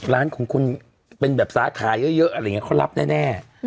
ร้านของคุณเป็นแบบสาขาเยอะเขารับแน่